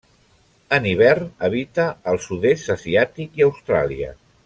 En hivern habita al Sud-est asiàtic i Austràlia.